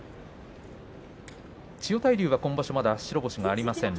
千代大龍は今場所白星がありません。